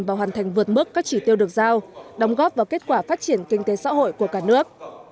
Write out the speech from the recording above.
và hoàn thành vượt mức các chỉ tiêu được giao đóng góp vào kết quả phát triển kinh tế xã hội của cả nước